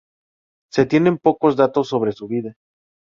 Se tienen pocos datos sobre su vida.